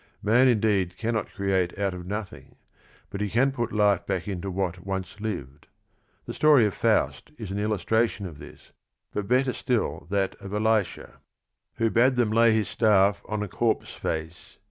Man indeed can not create out ot "nothing, but he can put life back into what once lived. The story of Faust is an illustration of this, but better still that of Elisha, 22 THE RING AND THE BOOK "Who bade them lay his staff on a corpse face.